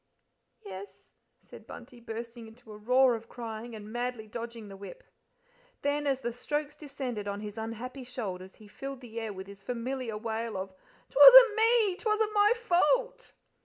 "Yes," said Bunty, bursting into a roar of crying, and madly dodging the whip. Then, as the strokes descended on his unhappy shoulders, he filled the air with his familiar wail of "'Twasn't me, 'twasn't my fault!"